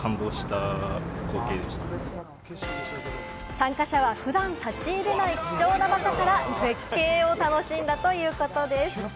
参加者は普段立ち入れない貴重な場所から絶景を楽しんだということです。